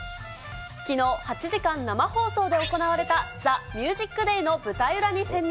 きのう、８時間生放送で行われたＴＨＥＭＵＳＩＣＤＡＹの舞台裏に潜入。